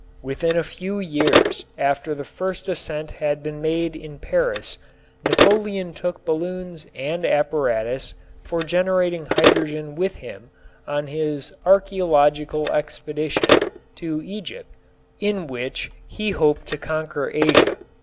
Within a few years after the first ascent had been made in Paris Napoleon took balloons and apparatus for generating hydrogen with him on his "archeological expedition" to Egypt in which he hoped to conquer Asia.